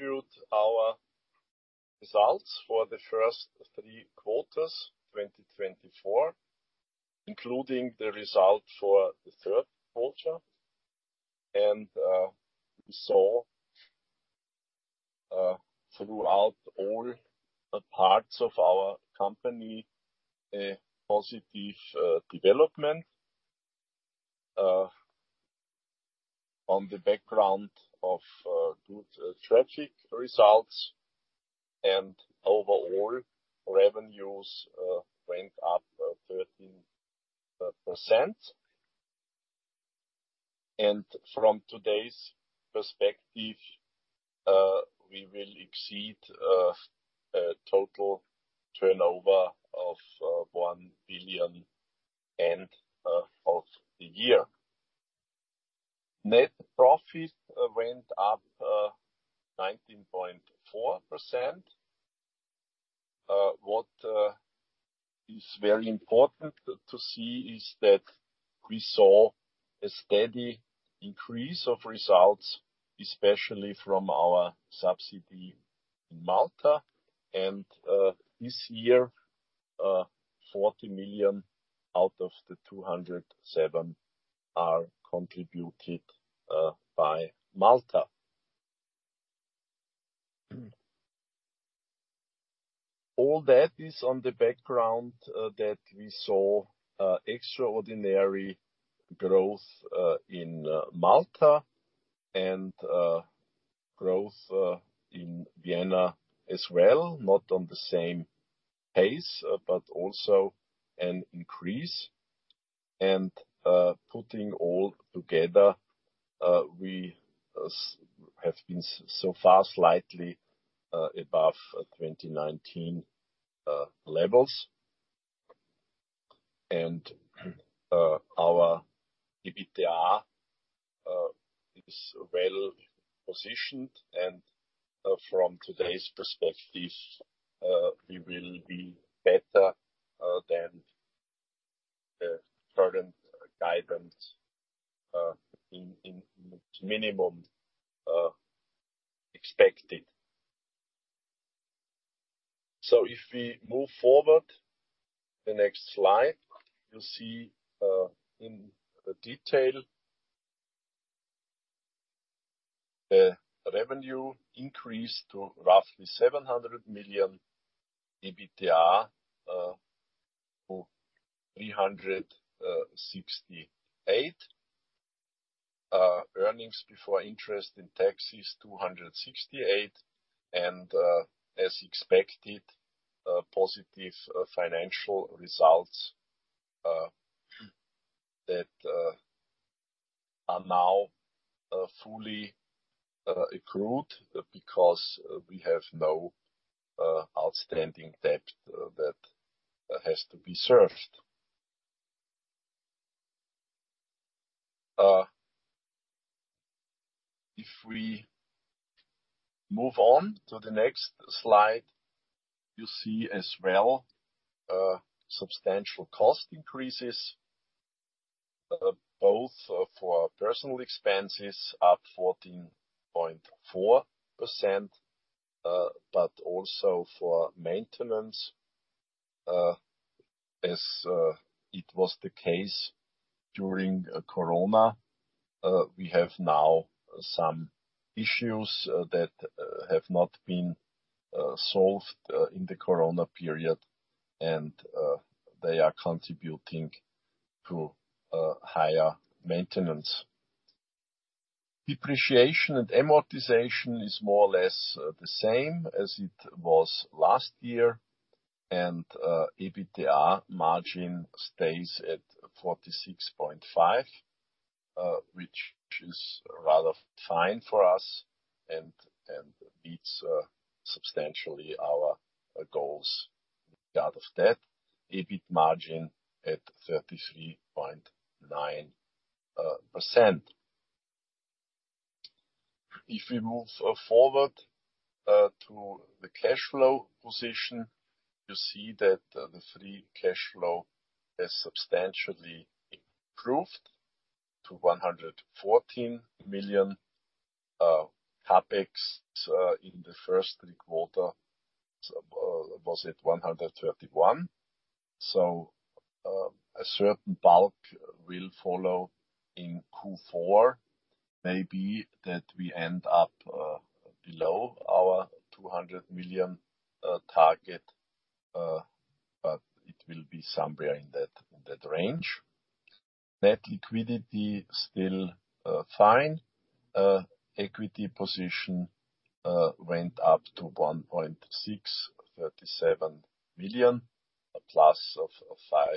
Showed our results for the first three quarters 2024, including the result for the third quarter, and we saw, throughout all parts of our company, a positive development on the background of good traffic results, and overall, revenues went up 13%, and from today's perspective, we will exceed total turnover of 1 billion end of the year. Net profit went up 19.4%. What is very important to see is that we saw a steady increase of results, especially from our subsidiary in Malta, and this year, 40 million out of the 207 million are contributed by Malta. All that is on the background that we saw extraordinary growth in Malta and growth in Vienna as well, not on the same pace, but also an increase, and putting all together, we have been so far slightly above 2019 levels, and our EBITDA is well positioned. From today's perspective, we will be better than the current guidance minimum expected. If we move forward, the next slide, you'll see in detail the revenue increased to roughly 700 million, EBITDA to 368 million, earnings before interest and taxes 268 million. As expected, positive financial results that are now fully accrued because we have no outstanding debt that has to be served. If we move on to the next slide, you see as well substantial cost increases, both for personnel expenses up 14.4%, but also for maintenance. As it was the case during Corona, we have now some issues that have not been solved in the Corona period, and they are contributing to higher maintenance. Depreciation and amortization is more or less the same as it was last year. EBITDA margin stays at 46.5%, which is rather fine for us and meets substantially our goals out of that EBIT margin at 33.9%. If we move forward to the cash flow position, you see that the free cash flow has substantially improved to 114 million. Capex in the first three quarters was at 131 million. So a certain bulk will follow in Q4. Maybe that we end up below our 200 million target, but it will be somewhere in that range. Net liquidity still fine. Equity position went up to 1.637 billion, a plus of 5%,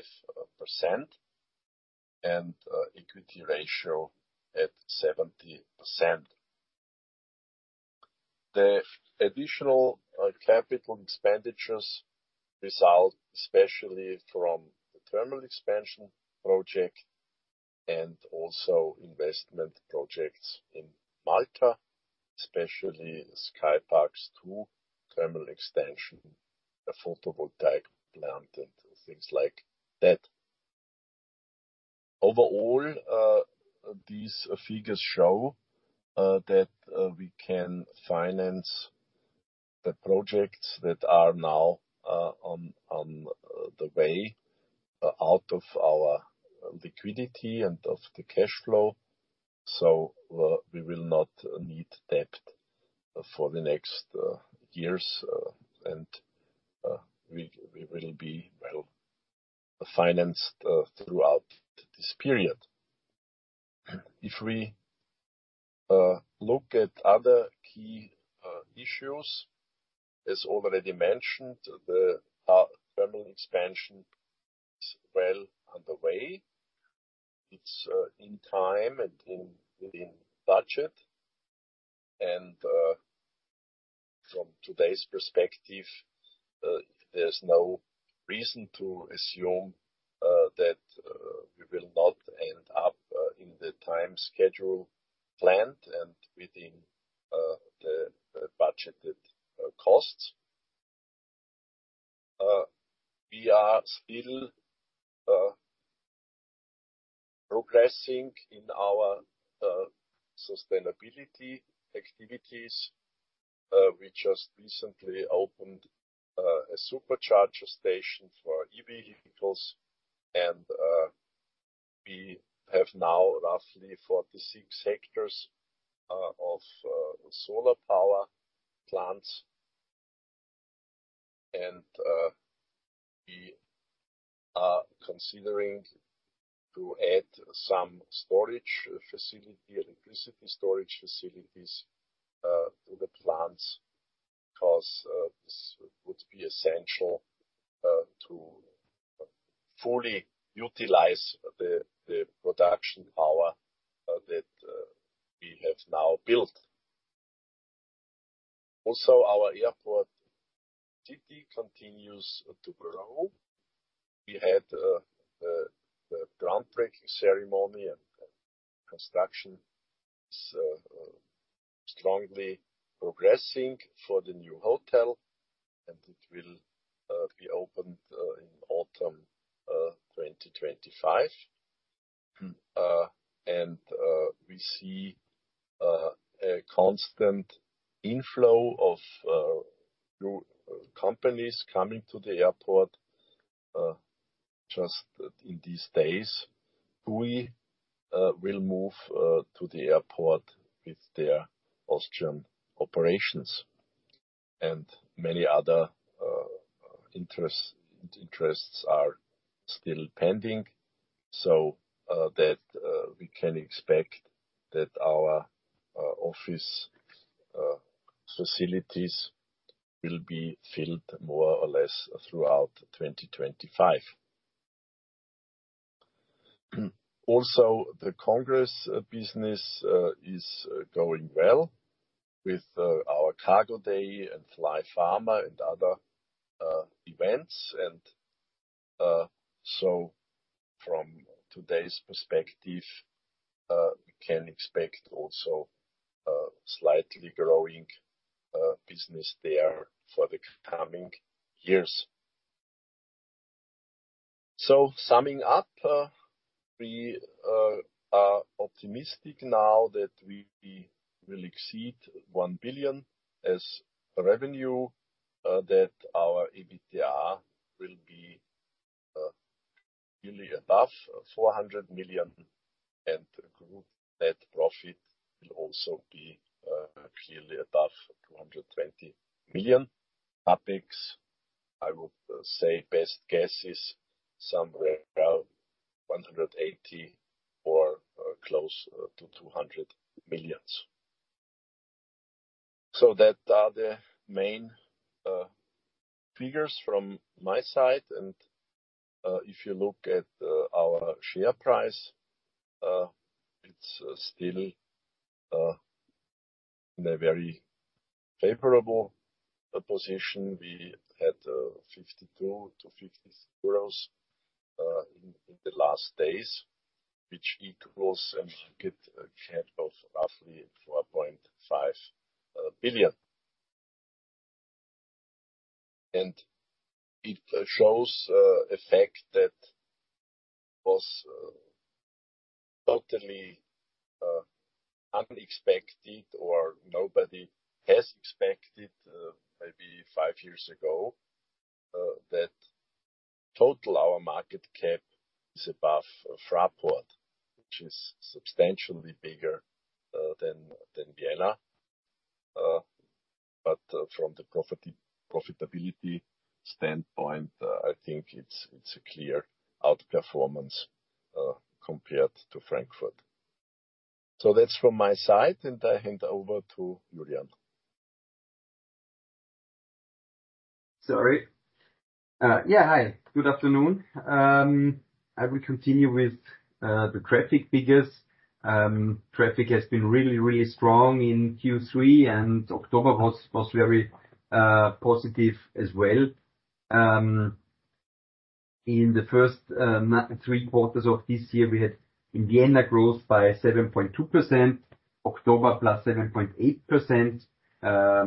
and equity ratio at 70%. The additional capital expenditures result especially from the terminal expansion project and also investment projects in Malta, especially SkyParks 2, terminal extension, a photovoltaic plant, and things like that. Overall, these figures show that we can finance the projects that are now on the way out of our liquidity and of the cash flow. So we will not need debt for the next years, and we will be well financed throughout this period. If we look at other key issues, as already mentioned, the Terminal 3 Southern Expansion is well underway. It's in time and within budget. And from today's perspective, there's no reason to assume that we will not end up in the time schedule planned and within the budgeted costs. We are still progressing in our sustainability activities. We just recently opened a Supercharger station for e-vehicles, and we have now roughly 46 hectares of solar power plants. And we are considering to add some storage facility and electricity storage facilities to the plants because this would be essential to fully utilize the production power that we have now built. Also, our Airport City continues to grow. We had a groundbreaking ceremony, and construction is strongly progressing for the new hotel, and it will be opened in autumn 2025. And we see a constant inflow of new companies coming to the airport just in these days. We will move to the airport with their Austrian operations. And many other interests are still pending, so that we can expect that our office facilities will be filled more or less throughout 2025. Also, the congress business is going well with our Cargo Day and FlyPharma and other events. And so from today's perspective, we can expect also slightly growing business there for the coming years. So summing up, we are optimistic now that we will exceed 1 billion as revenue, that our EBITDA will be clearly above 400 million, and net profit will also be clearly above 220 million. Capex, I would say best guess is somewhere around 180 million or close to 200 million. So that are the main figures from my side. And if you look at our share price, it's still in a very favorable position. We had 52 to 50 euros in the last days, which equals a market cap of roughly EUR 4.5 billion. And it shows a fact that was totally unexpected or nobody has expected, maybe five years ago, that total our market cap is above Fraport, which is substantially bigger than Vienna. But from the profitability standpoint, I think it's a clear outperformance compared to Frankfurt. So that's from my side, and I hand over to Julian. Sorry. Yeah, hi. Good afternoon. I will continue with the traffic figures. Traffic has been really, really strong in Q3, and October was very positive as well. In the first three quarters of this year, we had in Vienna growth by 7.2%, October +7.8%, a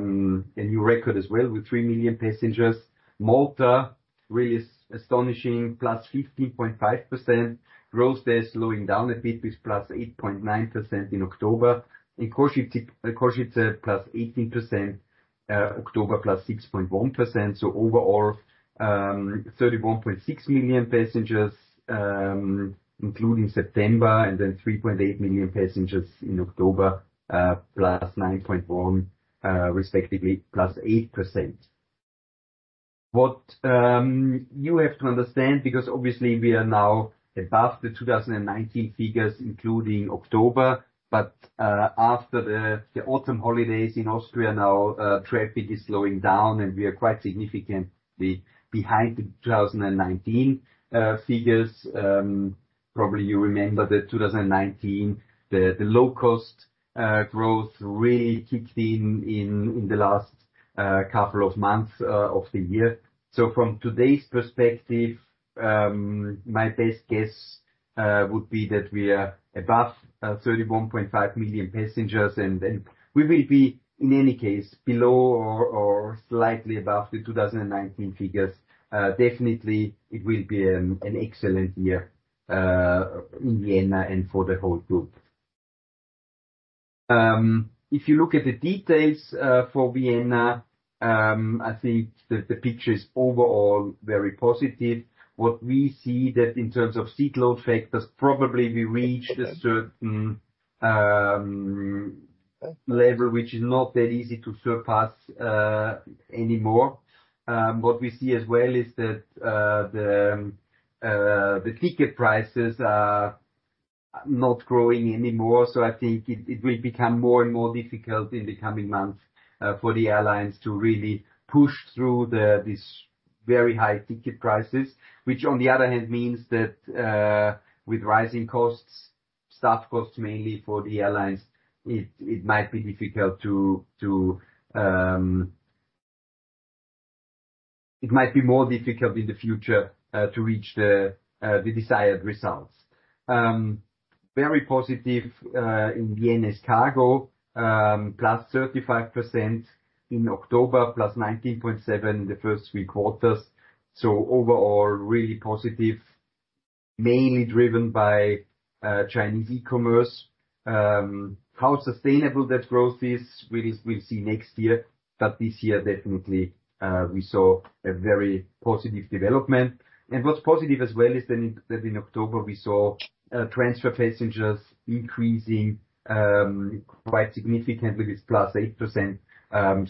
new record as well with 3 million passengers. Malta really astonishing, +15.5%. Growth is slowing down a bit with +8.9% in October. In Košice,+18%, October +6.1%. So overall, 31.6 million passengers, including September, and then 3.8 million passengers in October, +9.1%, respectively, +8%. What you have to understand, because obviously we are now above the 2019 figures, including October, but after the autumn holidays in Austria, now traffic is slowing down, and we are quite significantly behind the 2019 figures. Probably you remember that 2019, the low-cost growth really kicked in in the last couple of months of the year. So from today's perspective, my best guess would be that we are above 31.5 million passengers, and we will be in any case below or slightly above the 2019 figures. Definitely, it will be an excellent year in Vienna and for the whole group. If you look at the details for Vienna, I think the picture is overall very positive. What we see that in terms of seat load factors, probably we reached a certain level, which is not that easy to surpass anymore. What we see as well is that the ticket prices are not growing anymore. I think it will become more and more difficult in the coming months for the airlines to really push through these very high ticket prices, which on the other hand means that with rising costs, staff costs mainly for the airlines, it might be more difficult in the future to reach the desired results. Very positive in Vienna's cargo, +35% in October,+19.7% in the first three quarters.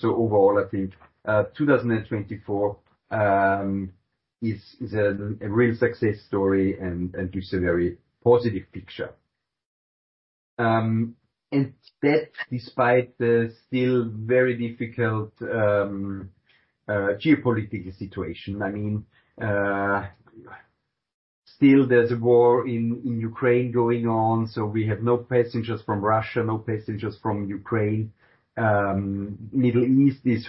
Overall, I think 2024 is a real success story and gives a very positive picture. That despite the still very difficult geopolitical situation. I mean, still there's a war in Ukraine going on, so we have no passengers from Russia, no passengers from Ukraine. Middle East is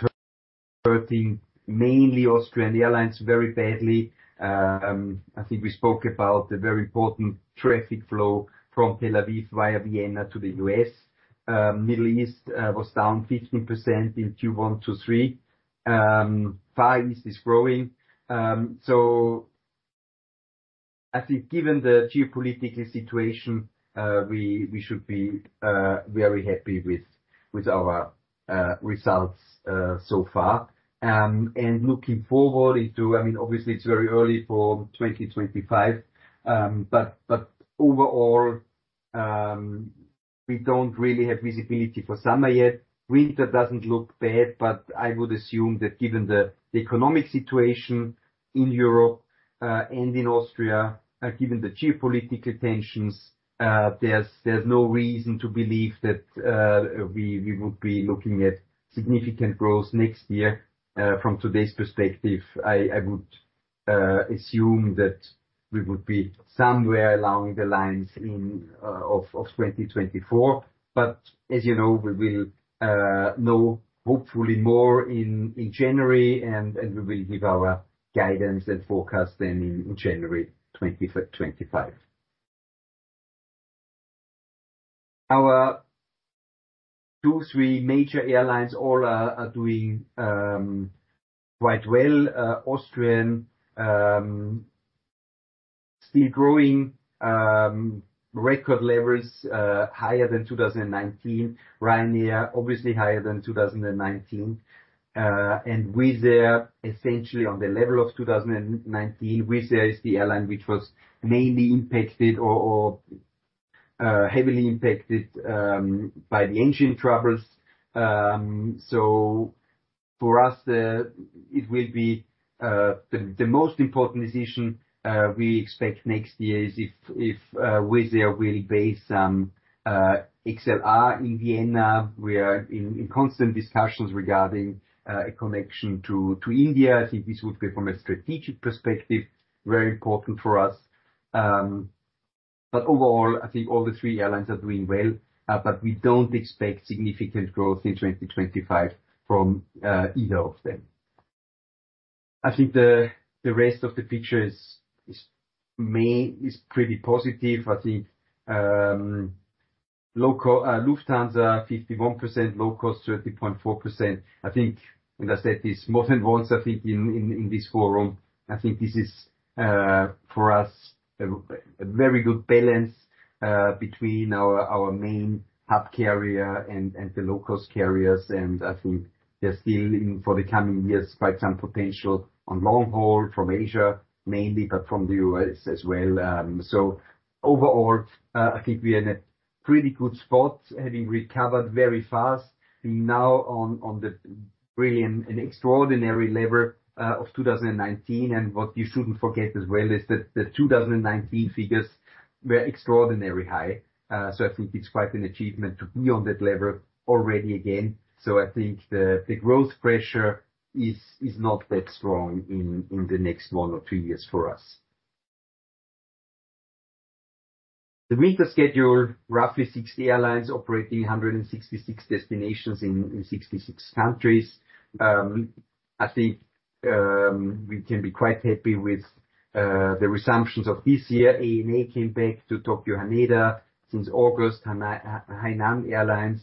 hurting, mainly Austrian Airlines very badly. I think we spoke about the very important traffic flow from Tel Aviv via Vienna to the US. Middle East was down 15% in Q1 to Q3. Far East is growing. So I think given the geopolitical situation, we should be very happy with our results so far. Looking forward into, I mean, obviously it's very early for 2025, but overall, we don't really have visibility for summer yet. Winter doesn't look bad, but I would assume that given the economic situation in Europe and in Austria, given the geopolitical tensions, there's no reason to believe that we would be looking at significant growth next year. From today's perspective, I would assume that we would be somewhere along the lines of 2024, but as you know, we will know hopefully more in January, and we will give our guidance and forecast then in January 2025. Our two or three major airlines all are doing quite well. Austrian still growing, record levels higher than 2019. Ryanair obviously higher than 2019, and Wizz Air essentially on the level of 2019. Wizz Air is the airline which was mainly impacted or heavily impacted by the engine troubles. For us, it will be the most important decision we expect next year is if Wizz Air will base XLR in Vienna. We are in constant discussions regarding a connection to India. I think this would be from a strategic perspective, very important for us. But overall, I think all the three airlines are doing well, but we don't expect significant growth in 2025 from either of them. I think the rest of the picture is pretty positive. I think Lufthansa 51%, low cost 30.4%. I think, and I said this more than once, I think in this forum, I think this is for us a very good balance between our main hub carrier and the low-cost carriers. And I think there's still for the coming years, quite some potential on long haul from Asia mainly, but from the U.S. as well. So overall, I think we are in a pretty good spot, having recovered very fast, being now on the brilliant and extraordinary level of 2019. And what you shouldn't forget as well is that the 2019 figures were extraordinarily high. So I think it's quite an achievement to be on that level already again. So I think the growth pressure is not that strong in the next one or two years for us. The winter schedule, roughly 60 airlines operating 166 destinations in 66 countries. I think we can be quite happy with the resumptions of this year. ANA came back to Tokyo Haneda since August. Hainan Airlines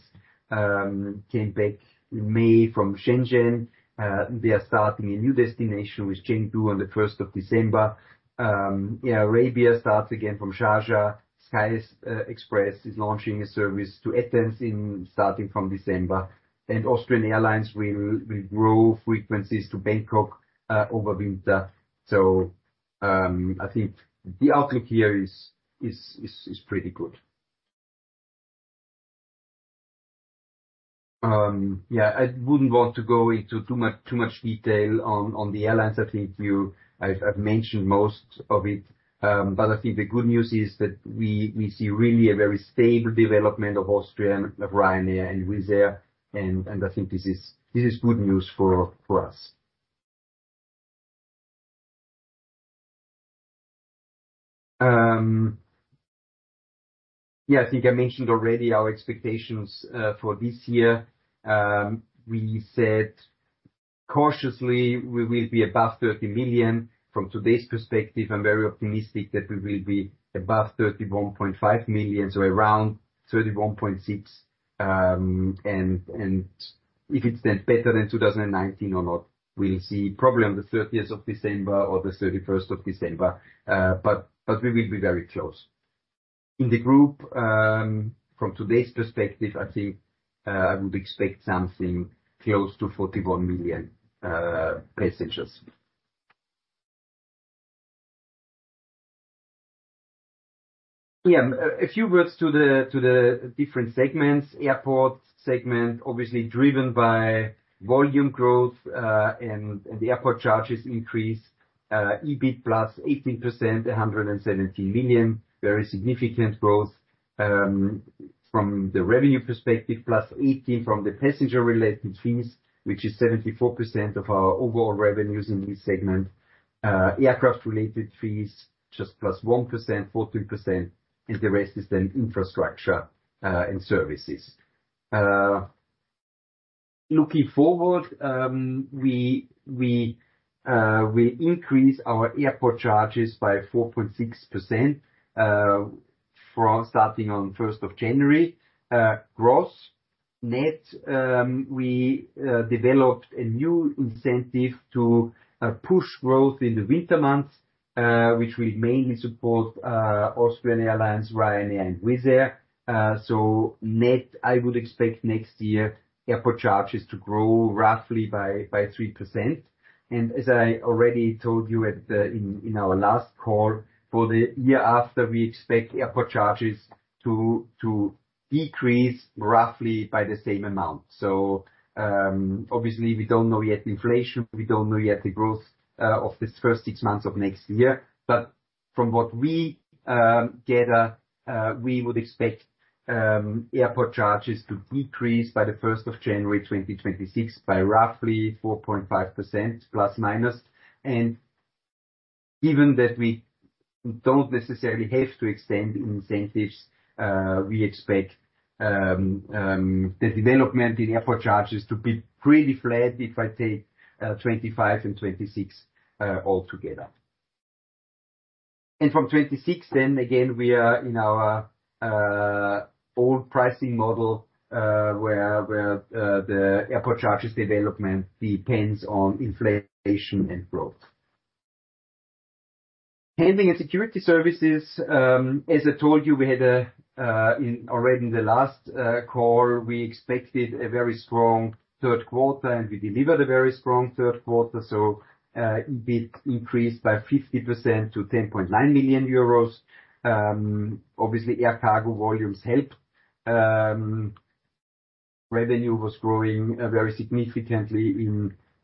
came back in May from Shenzhen. They are starting a new destination with Chengdu on the 1st of December. Air Arabia starts again from Sharjah. Sky Express is launching a service to Athens starting from December. And Austrian Airlines will grow frequencies to Bangkok over winter. So I think the outlook here is pretty good. Yeah, I wouldn't want to go into too much detail on the airlines. I think I've mentioned most of it, but I think the good news is that we see really a very stable development of Austrian, of Ryanair, and Wizz Air. I think this is good news for us. Yeah, I think I mentioned already our expectations for this year. We said cautiously we will be above 30 million. From today's perspective, I'm very optimistic that we will be above 31.5 million, so around 31.6, and if it's then better than 2019 or not, we'll see probably on the 30th of December or the 31st of December, but we will be very close. In the group, from today's perspective, I think I would expect something close to 41 million passengers. Yeah, a few words to the different segments. Airport segment, obviously driven by volume growth and the airport charges increase. EBIT +18%, 117 million. Very significant growth from the revenue perspective, +18% from the passenger-related fees, which is 74% of our overall revenues in this segment. Aircraft-related fees just +1%, 14%, and the rest is then infrastructure and services. Looking forward, we increase our airport charges by 4.6% starting on 1st of January. Gross net, we developed a new incentive to push growth in the winter months, which will mainly support Austrian Airlines, Ryanair, and Wizz Air. So net, I would expect next year airport charges to grow roughly by 3%. And as I already told you in our last call, for the year after, we expect airport charges to decrease roughly by the same amount. So obviously, we don't know yet inflation. We don't know yet the growth of this first six months of next year. But from what we gather, we would expect airport charges to decrease by the 1st of January 2026 by roughly 4.5%, plus minus. And given that we don't necessarily have to extend incentives, we expect the development in airport charges to be pretty flat if I take 25 and 26 altogether. And from 26, then again, we are in our old pricing model where the airport charges development depends on inflation and growth. Handling and security services, as I told you, we had already in the last call, we expected a very strong third quarter, and we delivered a very strong third quarter. So EBIT increased by 50% to 10.9 million euros. Obviously, air cargo volumes helped. Revenue was growing very significantly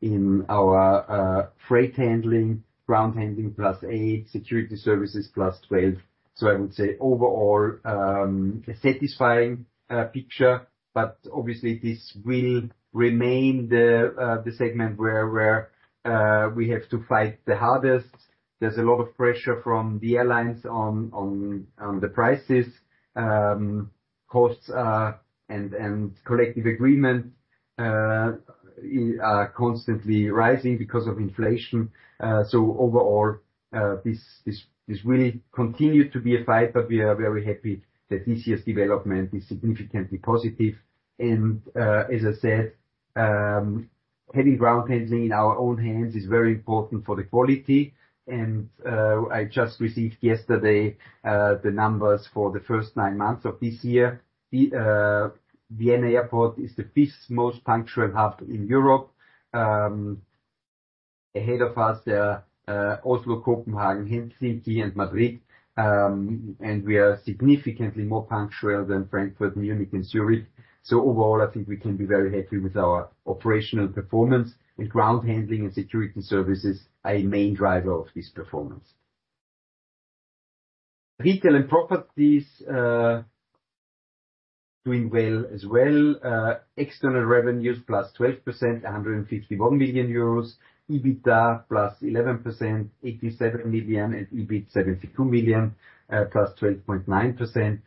in our freight handling, ground handling plus 8, security services plus 12. So I would say overall, a satisfying picture. But obviously, this will remain the segment where we have to fight the hardest. There's a lot of pressure from the airlines on the prices. Costs and collective agreement are constantly rising because of inflation. So overall, this will continue to be a fight, but we are very happy that this year's development is significantly positive. And as I said, having ground handling in our own hands is very important for the quality. And I just received yesterday the numbers for the first nine months of this year. Vienna Airport is the fifth most punctual hub in Europe. Ahead of us, there are Oslo, Copenhagen, Helsinki, and Madrid. And we are significantly more punctual than Frankfurt, Munich, and Zurich. So overall, I think we can be very happy with our operational performance. And ground handling and security services are a main driver of this performance. Retail and properties doing well as well. External revenues plus 12%, 151 million euros. EBITDA plus 11%, 87 million, and EBIT 72 million +12.9%.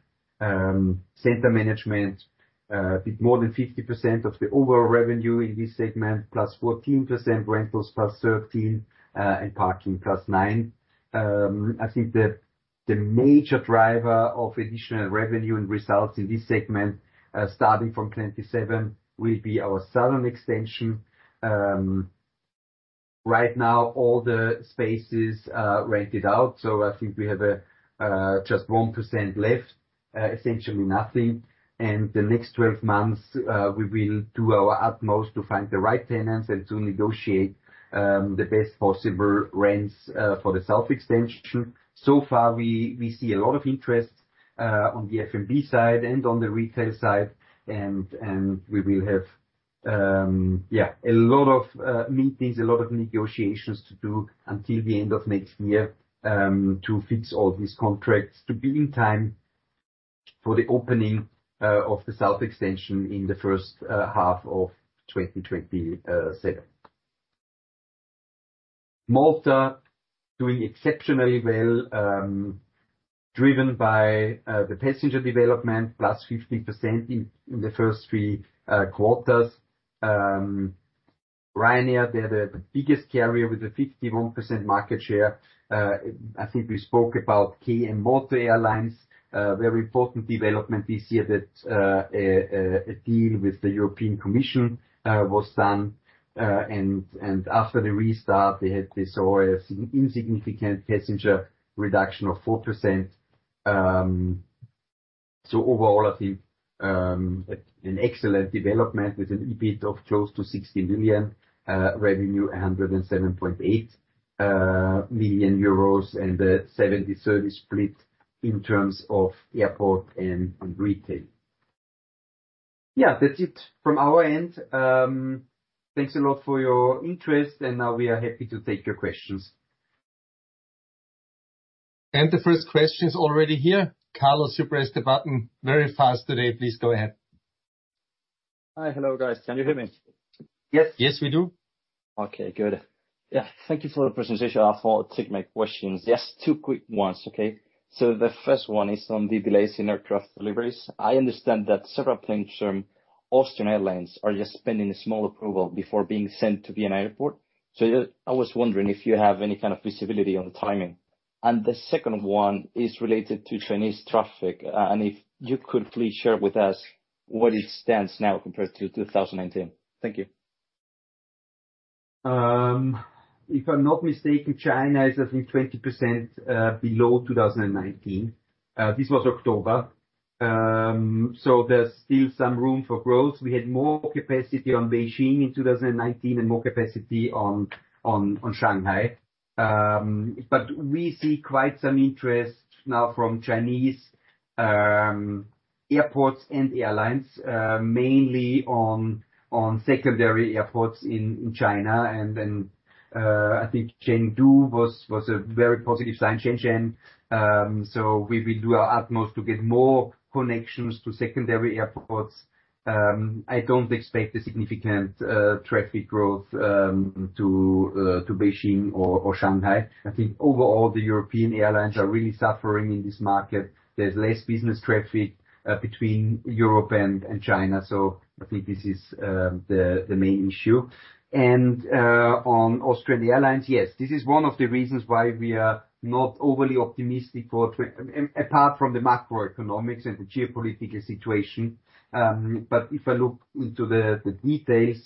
Center management, a bit more than 50% of the overall revenue in this segment, +14%, rentals +13%, and parking +9%. I think the major driver of additional revenue and results in this segment, starting from 2027, will be our southern extension. Right now, all the spaces are rented out, so I think we have just 1% left, essentially nothing. The next 12 months, we will do our utmost to find the right tenants and to negotiate the best possible rents for the southern extension. Far, we see a lot of interest on the F&B side and on the retail side. And we will have, yeah, a lot of meetings, a lot of negotiations to do until the end of next year to fix all these contracts to be in time for the opening of the south extension in the first half of 2027. Malta doing exceptionally well, driven by the passenger development, plus 15% in the first three quarters. Ryanair, they're the biggest carrier with a 51% market share. I think we spoke about KM Malta Airlines, very important development this year that a deal with the European Commission was done. And after the restart, they had this insignificant passenger reduction of 4%. So overall, I think an excellent development with an EBIT of close to 60 million, revenue 107.8 million euros, and a 70/30 split in terms of airport and retail. Yeah, that's it from our end. Thanks a lot for your interest, and now we are happy to take your questions. The first question is already here. Carlos, you pressed the button very fast today. Please go ahead. Hi, hello, guys. Can you hear me? Yes. Yes, we do. Okay, good. Yeah, thank you for the presentation. I'll take my questions. Yes, two quick ones. Okay. So the first one is on the delays in aircraft deliveries. I understand that several aircraft from Austrian Airlines are just pending a small approval before being sent to Vienna Airport. So I was wondering if you have any kind of visibility on the timing. And the second one is related to Chinese traffic. And if you could please share with us what it stands now compared to 2019. Thank you. If I'm not mistaken, China is I think 20% below 2019. This was October. There's still some room for growth. We had more capacity on Beijing in 2019 and more capacity on Shanghai. But we see quite some interest now from Chinese airports and airlines, mainly on secondary airports in China. And I think Chengdu was a very positive sign, Shenzhen. We will do our utmost to get more connections to secondary airports. I don't expect a significant traffic growth to Beijing or Shanghai. I think overall, the European airlines are really suffering in this market. There's less business traffic between Europe and China. I think this is the main issue. And on Austrian Airlines, yes, this is one of the reasons why we are not overly optimistic for, apart from the macroeconomics and the geopolitical situation. But if I look into the details,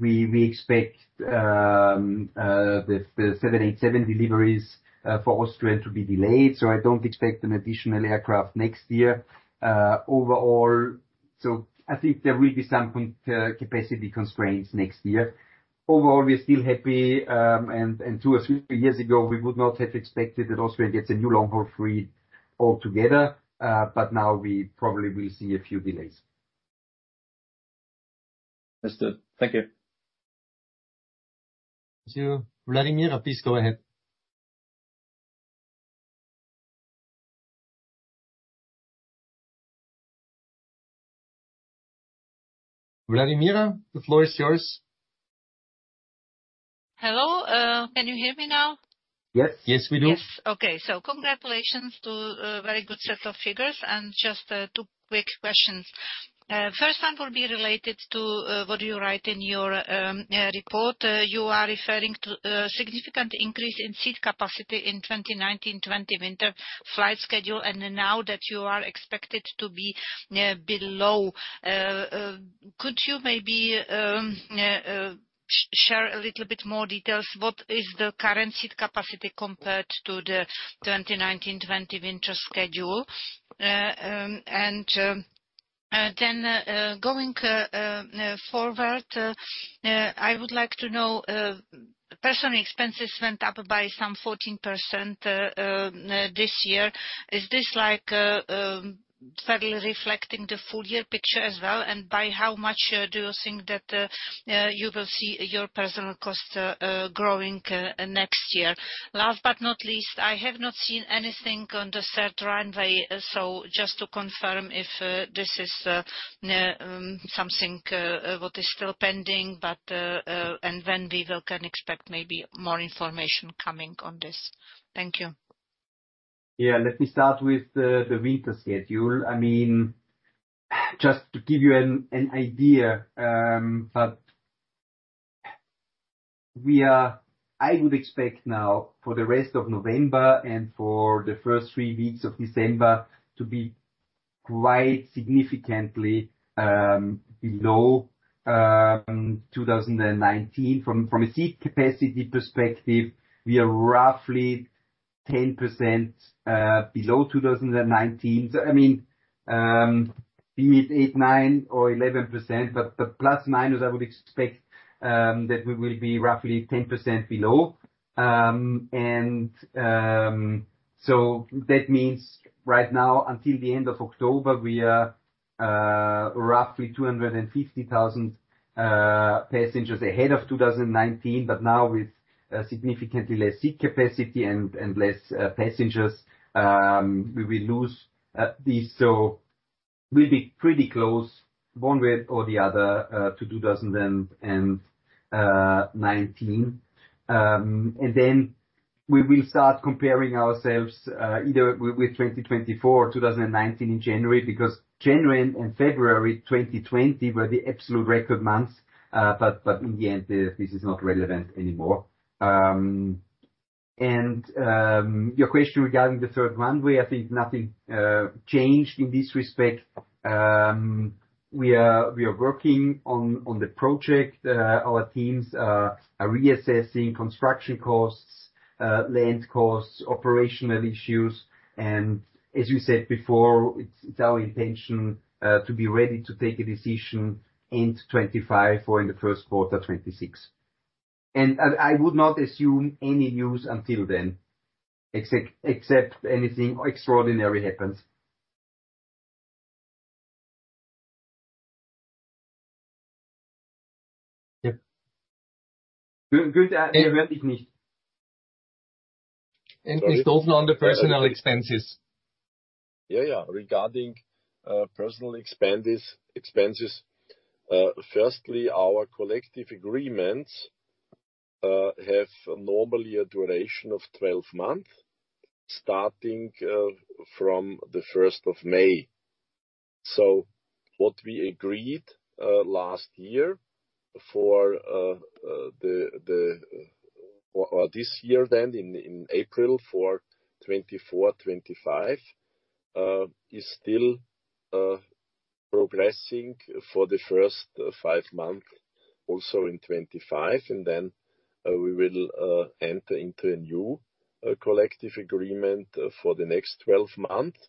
we expect the 787 deliveries for Austrian to be delayed. So I don't expect an additional aircraft next year. Overall, so I think there will be some capacity constraints next year. Overall, we're still happy. And two or three years ago, we would not have expected that Austrian gets a new long-haul fleet altogether. But now we probably will see a few delays. Understood. Thank you. Thank you. Vladimira, please go ahead. Vladimira, the floor is yours. Hello. Can you hear me now? Yes. Yes, we do. Yes. Okay. So congratulations to a very good set of figures. And just two quick questions. First one will be related to what you write in your report. You are referring to a significant increase in seat capacity in 2019-2020 winter flight schedule, and now that you are expected to be below. Could you maybe share a little bit more details? What is the current seat capacity compared to the 2019-2020 winter schedule? And then going forward, I would like to know, personnel expenses went up by some 14% this year. Is this fairly reflecting the full year picture as well? And by how much do you think that you will see your personnel cost growing next year? Last but not least, I have not seen anything on the third runway. So just to confirm if this is something what is still pending, and then we can expect maybe more information coming on this. Thank you. Yeah. Let me start with the winter schedule. I mean, just to give you an idea, but I would expect now for the rest of November and for the first three weeks of December to be quite significantly below 2019. From a seat capacity perspective, we are roughly 10% below 2019. So I mean, be it eight, nine, or 11%, but plus minus, I would expect that we will be roughly 10% below. And so that means right now, until the end of October, we are roughly 250,000 passengers ahead of 2019. But now, with significantly less seat capacity and less passengers, we will lose these. So we'll be pretty close, one way or the other, to 2019. And then we will start comparing ourselves either with 2024 or 2019 in January because January and February 2020 were the absolute record months. But in the end, this is not relevant anymore. And your question regarding the third runway, I think nothing changed in this respect. We are working on the project. Our teams are reassessing construction costs, land costs, operational issues. As you said before, it's our intention to be ready to take a decision end 2025 or in the first quarter 2026. I would not assume any news until then, except anything extraordinary happens. Yep. Good. Ich höre dich nicht. And please don't go on the personnel expenses. Yeah, yeah. Regarding personnel expenses, firstly, our collective agreements have normally a duration of 12 months starting from the 1st of May. So what we agreed last year for this year then in April for 2024, 2025 is still progressing for the first five months also in 2025. And then we will enter into a new collective agreement for the next 12 months.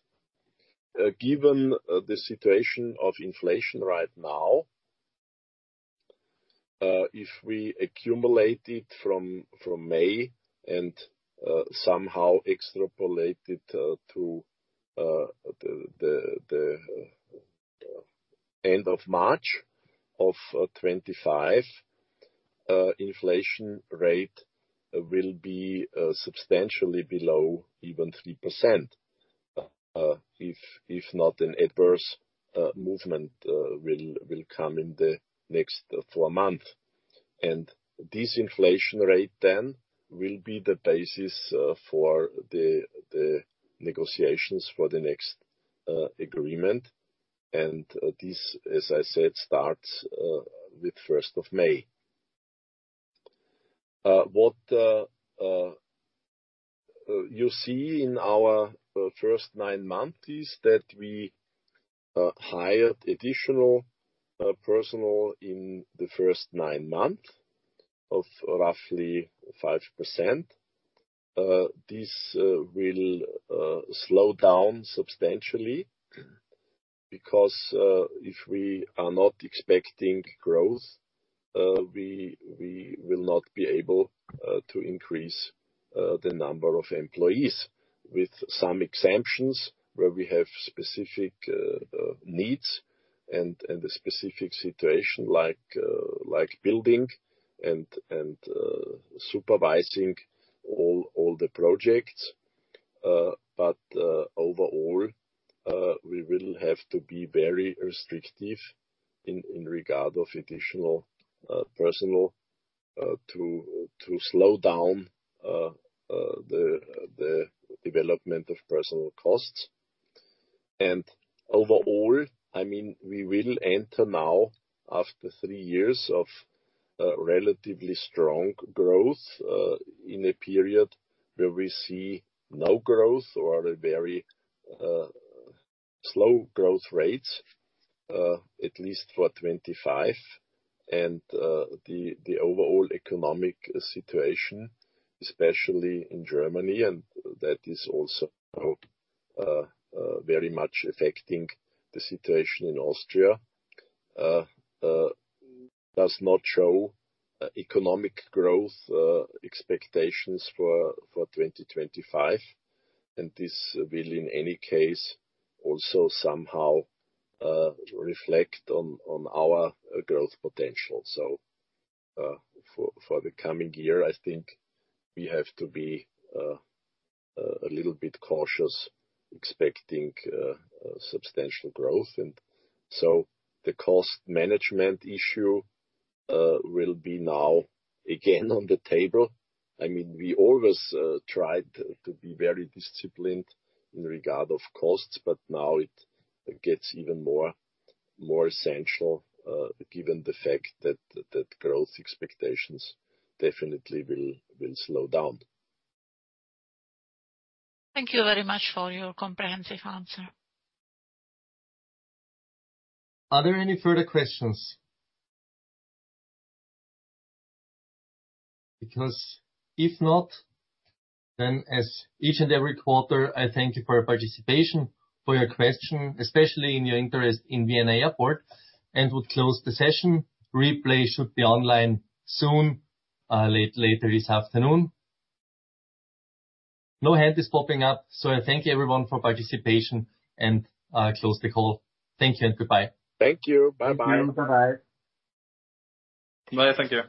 Given the situation of inflation right now, if we accumulate it from May and somehow extrapolate it to the end of March of 2025, inflation rate will be substantially below even 3%, if not, an adverse movement will come in the next four months. And this inflation rate then will be the basis for the negotiations for the next agreement. And this, as I said, starts with 1st of May. What you see in our first nine months is that we hired additional personnel in the first nine months of roughly 5%. This will slow down substantially because if we are not expecting growth, we will not be able to increase the number of employees with some exemptions where we have specific needs and a specific situation like building and supervising all the projects. But overall, we will have to be very restrictive in regard to additional personnel to slow down the development of personnel costs. And overall, I mean, we will enter now after three years of relatively strong growth in a period where we see no growth or very slow growth rates, at least for 2025. And the overall economic situation, especially in Germany, and that is also very much affecting the situation in Austria, does not show economic growth expectations for 2025. And this will, in any case, also somehow reflect on our growth potential. So for the coming year, I think we have to be a little bit cautious expecting substantial growth. And so the cost management issue will be now again on the table. I mean, we always tried to be very disciplined in regard of costs, but now it gets even more essential given the fact that growth expectations definitely will slow down. Thank you very much for your comprehensive answer. Are there any further questions? Because if not, then as each and every quarter, I thank you for your participation, for your question, especially in your interest in Vienna Airport. And we'll close the session. Replay should be online soon, later this afternoon. No hand is popping up. So I thank everyone for participation and close the call. Thank you and goodbye. Thank you. Bye-bye. Bye-bye. Bye. Thank you.